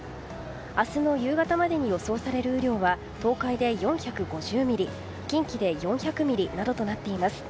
明日の夕方までに予想される雨量は東海で４５０ミリ近畿で４００ミリなどとなっています。